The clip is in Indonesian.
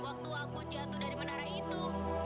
waktu aku jatuh dari menara itu